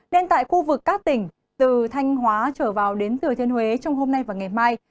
nên tại khu vực các tỉnh từ thanh hóa trở vào đến thừa thiên huế trong hôm nay và ngày mai